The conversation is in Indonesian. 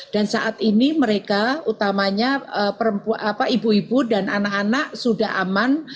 dan saat ini mereka utamanya ibu ibu dan anak anak sudah aman